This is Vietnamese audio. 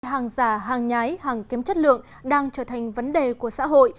hàng giả hàng nhái hàng kém chất lượng đang trở thành vấn đề của xã hội